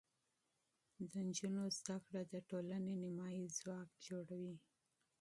د نجونو زده کړه د ټولنې نیمایي ځواک جوړوي.